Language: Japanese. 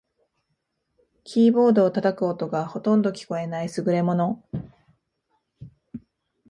キーボードを叩く音がほとんど聞こえない優れもの